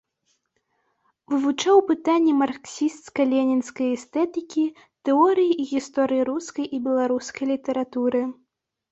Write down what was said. Вывучаў пытанні марксісцка-ленінскай эстэтыкі, тэорыі і гісторыі рускай і беларускай літаратуры.